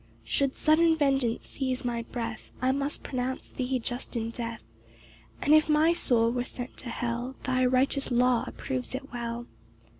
5 Should sudden vengeance seize my breath, I must pronounce thee just in death; And if my soul were sent to hell, Thy righteous law approves it well.